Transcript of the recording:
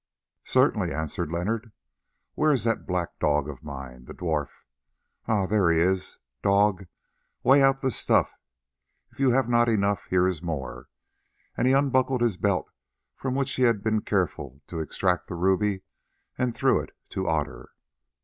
"Certainly," answered Leonard. "Where is that black dog of mine, the dwarf? Ah! there he is. Dog, weigh out the stuff; if you have not enough, here is more." And he unbuckled his belt, from which he had been careful to extract the ruby, and threw it to Otter.